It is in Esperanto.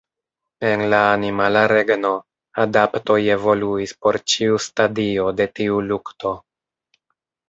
En la animala regno, adaptoj evoluis por ĉiu stadio de tiu lukto.